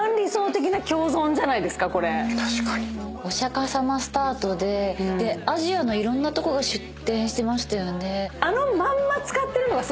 お釈迦様スタートでアジアのいろんなとこが出店してましたよね。